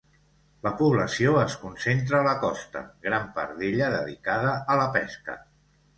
La població es concentra a la costa, gran part d'ella dedicada a la pesca.